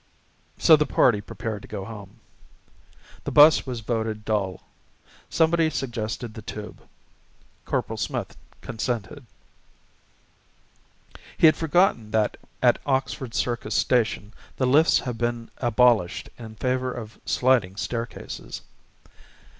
So the party prepared to go home. The bus was voted dull. Somebody suggested the tube. Corporal Smith consented. He had forgotten that at Oxford Circus station the lifts have been abolished in favour of sliding staircases.